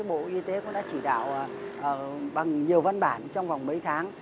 bộ y tế cũng đã chỉ đạo bằng nhiều văn bản trong vòng mấy tháng